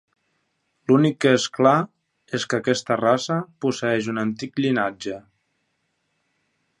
L'únic que és clar és que aquesta raça posseeix un antic llinatge.